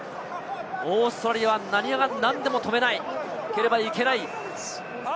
オーストラリアは何が何でも止めなければいけない。